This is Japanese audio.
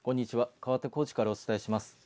かわって高知からお伝えします。